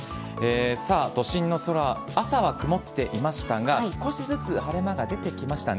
さあ、都心の空、朝は曇っていましたが、少しずつ晴れ間が出てきましたね。